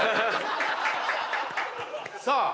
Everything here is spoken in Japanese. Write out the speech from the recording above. さあ